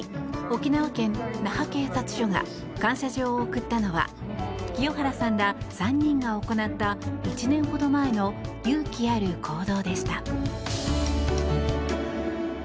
沖縄県那覇警察署が感謝状を贈ったのは清原さんら３人が行った１年ほど前の勇気ある行動でした。